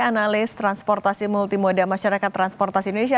analis transportasi multimoda masyarakat transportasi indonesia